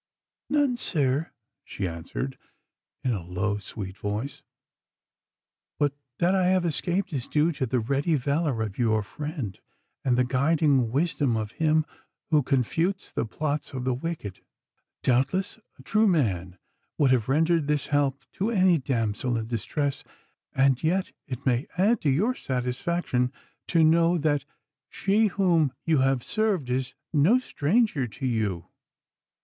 'None, sir,' she answered, in a low, sweet voice, 'but that I have escaped is due to the ready valour of your friend, and the guiding wisdom of Him who confutes the plots of the wicked. Doubtless a true man would have rendered this help to any damsel in distress, and yet it may add to your satisfaction to know that she whom you have served is no stranger to you.